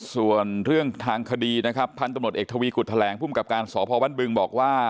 ส่วนเรื่องทางคดีนะครับพันธุ์ตำรวจเอกทวีกุฎแถลงภูมิกับการสพบ้านบึงบอกว่า